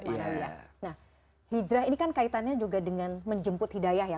nah hijrah ini kan kaitannya juga dengan menjemput hidayah ya